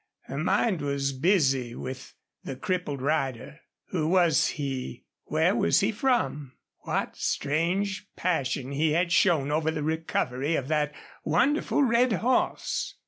Her mind was busy with the crippled rider. Who was he? Where was he from? What strange passion he had shown over the recovery of that wonderful red horse!